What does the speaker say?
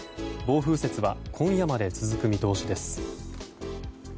暴風雪は今夜まで続く見通しです。